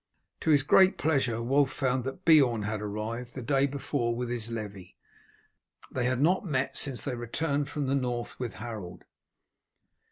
To his great pleasure Wulf found that Beorn had arrived the day before with his levy. They had not met since they had returned from the North with Harold.